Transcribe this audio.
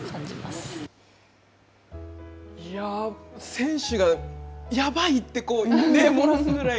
選手がやばいって漏らすぐらい